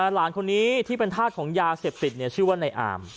หลานคนนี้ที่เป็นธาตุของยาเสพติดชื่อว่าในอาม